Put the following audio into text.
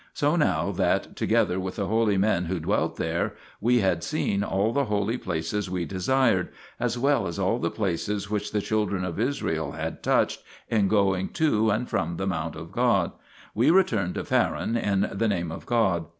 So now that, together with the holy men who dwelt there, we had seen all the holy places we desired, as well as all the places which the children of Israel had touched in going to and from the mount of God, we returned to Faran in the name of God.